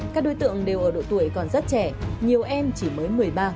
các đối tượng đều ở độ tuổi còn rất trẻ nhiều em chỉ mới một mươi ba một mươi bốn